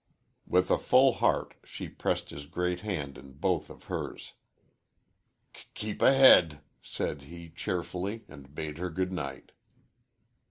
With a full heart she pressed his great hand in both of hers. "K keep ahead," said he, cheerfully, and bade her good night.